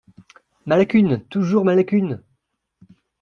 Ma lacune ! toujours ma lacune !…